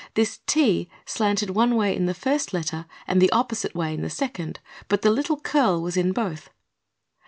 This "T" slanted one way in the first letter and the opposite way in the second, but the little curl was in both.